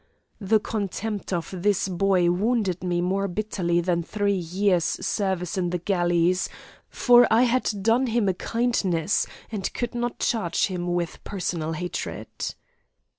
The contempt of this boy wounded me more bitterly than three years' service in the galleys, for I had done him a kindness, and could not charge him with personal hatred.